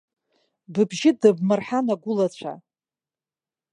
Быбжьы дымбырҳан агәылацәа.